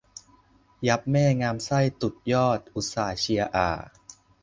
ยับแม่ งามไส้ตุดยอด อุตส่าห์เชียร์อ่า